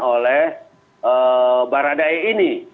oleh berada e ini